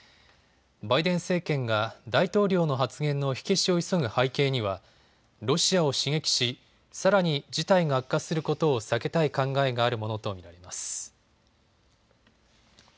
バイデン政権が大統領の発言の火消しを急ぐ背景にはロシアを刺激し、さらに事態が悪化することを避けたい考えがあるものと見られます。